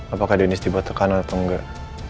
apakah dennis dibatukan atau enggak